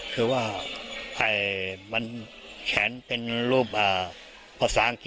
คือว่ามันแขนเป็นรูปภาษาอังกฤษ